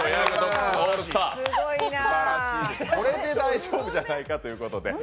これで大丈夫じゃないかということで。